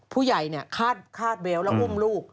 ผู้ใหญ่เนี่ยคาดเบลแล้วหุ้มลูก